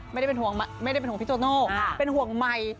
ไม่ได้เป็นห่วงไม่ได้เป็นห่วงพี่โตโน่เป็นห่วงใหม่